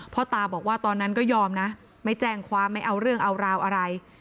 ตาบอกว่าตอนนั้นก็ยอมนะไม่แจ้งความไม่เอาเรื่องเอาราวอะไร